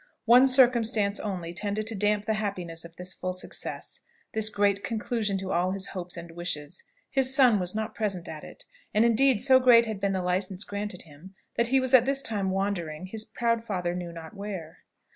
One circumstance only tended to damp the happiness of this full success, this great conclusion to all his hopes and wishes, his son was not present at it: and indeed so great had been the licence granted him, that he was at this time wandering, his proud father knew not where.